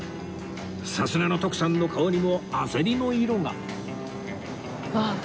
さすがの徳さんの顔にも焦りの色が